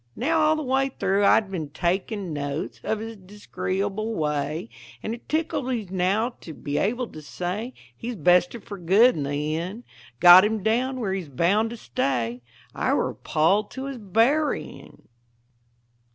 Now all the way through I had been taking notes Of his disagreeable way, And it tickles me now to be able to say He's bested for good in the end; Got him down where he's bound to stay; I were a pall to his burrying.